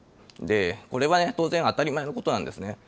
これは当然当たり前のことなんですね。